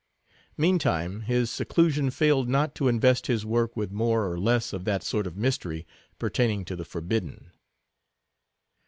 Meantime, his seclusion failed not to invest his work with more or less of that sort of mystery pertaining to the forbidden.